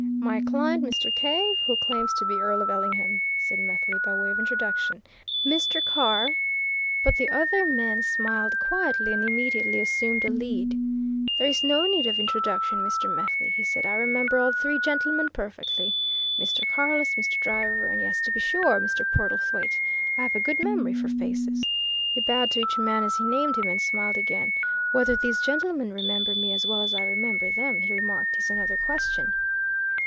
"My client, Mr. Cave, who claims to be Earl of Ellingham," said Methley, by way of introduction. "Mr. Car " But the other man smiled quietly and immediately assumed a lead. "There is no need of introduction, Mr. Methley," he said. "I remember all three gentlemen perfectly! Mr. Carless Mr. Driver and yes, to be sure, Mr. Portlethwaite! I have a good memory for faces." He bowed to each man as he named him, and smiled again. "Whether these gentlemen remember me as well as I remember them," he remarked, "is another question!"